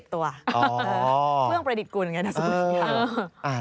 ๒๐ตัวเพิ่งประดิษฐ์กุลไงนะสมมุติครับ